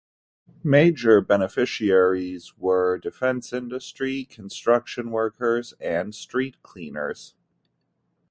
Major beneficiaries were defense industry, construction workers and street cleaners.